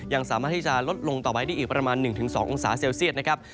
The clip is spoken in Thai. ยังสามารถที่จะลดลงต่อไปได้อีกประมาณ๑๒องศาเซลเซียตนะครับ